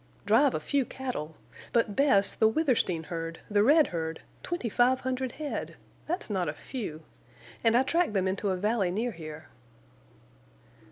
"Drive a few cattle! But, Bess, the Withersteen herd, the red herd—twenty five hundred head! That's not a few. And I tracked them into a valley near here."